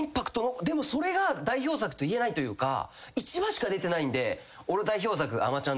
でもそれが代表作と言えないというか１話しか出てないんで。